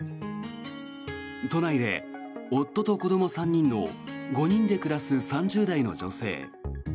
都内で夫と子ども３人の５人で暮らす３０代の女性。